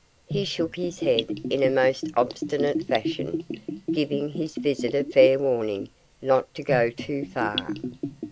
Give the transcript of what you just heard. He shook his head in a most obstinate fashion, giving his visitor fair warning not to go too far.